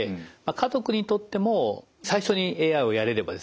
家族にとっても最初にＡＩをやれればですね